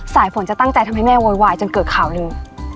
สายฝนจะตั้งใจทำให้แม่โวยวายจนเกิดข่าวหนึ่ง